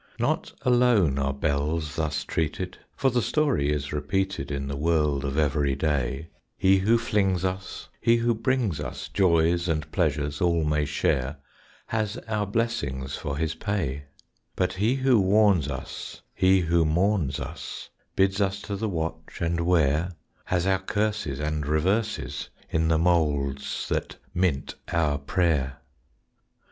Not alone are bells thus treated, For the story is repeated In the world of every day; He who flings us He who brings us Joys and pleasures all may share, Has our blessings for his pay; But he who warns us He who mourns us, Bids us to the watch and ware Has our curses, And reverses In the moulds that mint our prayer.